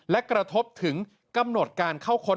และกระทบถึงกำหนดการเข้าค้น